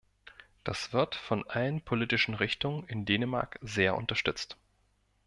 Das wird von allen politischen Richtungen in Dänemark sehr unterstützt.